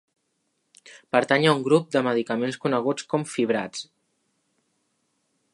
Pertany a un grup de medicaments coneguts com fibrats.